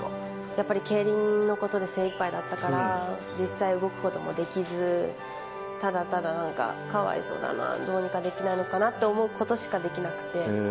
やっぱり競輪のことで精いっぱいだったから、実際、動くこともできず、ただただ、かわいそうだな、どうにかできないのかなと思うことしかできなくて。